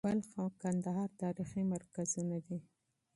بلخ او کندهار تاریخي مرکزونه دي.